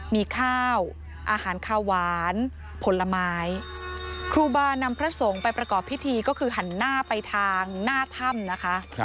มีข้าวอาหารข้าวหวานผลไม้ครูบานำพระสงฆ์ไปประกอบพิธีก็คือหันหน้าไปทางหน้าถ้ำนะคะ